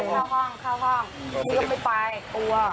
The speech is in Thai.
เข้าห้องเข้าห้องพี่ก็ไม่ไปกลัว